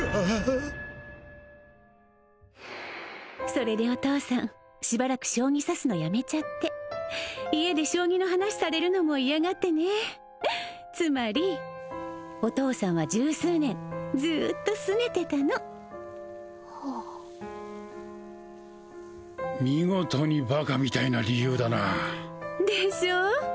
それでお父さんしばらく将棋指すのやめちゃって家で将棋の話されるのも嫌がってねつまりお父さんは十数年ずーっとすねてたの見事にバカみたいな理由だなでしょ